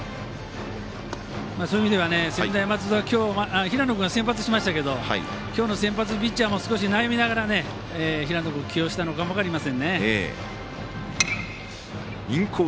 そういう意味では専大松戸は今日、平野君が先発しましたが今日の先発ピッチャーも悩みながら起用したのかもしれませんね。